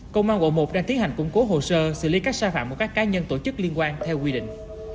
công an quận một đang tiến hành củng cố hồ sơ xử lý các sai phạm của các cá nhân tổ chức liên quan theo quy định